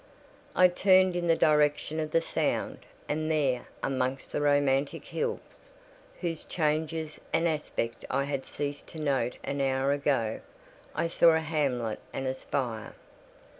I turned in the direction of the sound, and there, amongst the romantic hills, whose changes and aspect I had ceased to note an hour ago, I saw a hamlet and a spire.